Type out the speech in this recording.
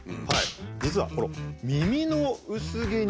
実はこの耳の薄毛に。